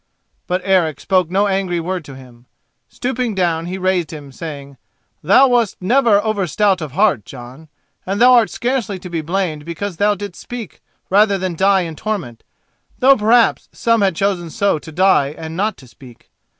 But Eric spoke no angry word to him. Stooping down he raised him, saying, "Thou wast never overstout of heart, Jon, and thou art scarcely to be blamed because thou didst speak rather than die in torment, though perhaps some had chosen so to die and not to speak.